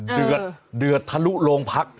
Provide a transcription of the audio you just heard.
เดือดเดือดทะลุโรงพัก